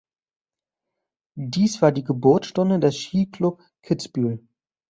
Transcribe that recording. Dies war die Geburtsstunde des "Skiklub Kitzbühel".